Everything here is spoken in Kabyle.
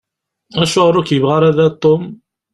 Acuɣeṛ ur k-yebɣi ara da Tom?